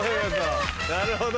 なるほど！